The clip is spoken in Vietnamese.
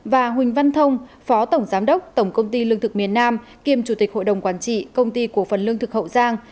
và huỳnh văn thông phó tổng giám đốc tổng công ty lương thực miền nam kiêm chủ tịch hội đồng quản trị công ty cổ phần lương thực hậu giang